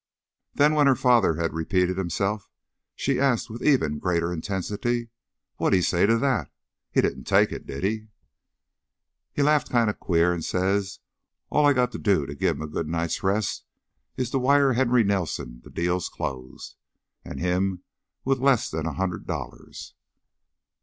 Then when her father had repeated himself, she asked with even greater intensity: "Wha'd he say to that? He didn't take it, did he?" "He laughed kinda queer an' says all I got to do to give him a good night's rest is to wire Henry Nelson the deal's closed. An' him with less 'n a hundred dollars!"